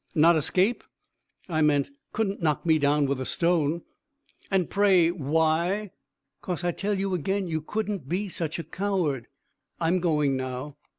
"Not escape?" "I meant couldn't knock me down with a stone." "And pray why?" "'Cause I tell you agen you couldn't be such a coward. I'm going now."